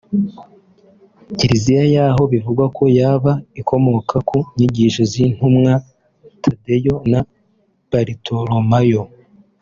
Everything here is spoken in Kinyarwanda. Kiliziya yaho bivugwa ko yaba ikomoka ku nyigisho z’intumwa Thadeyo na Baritolomayo